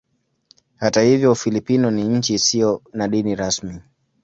Hata hivyo Ufilipino ni nchi isiyo na dini rasmi.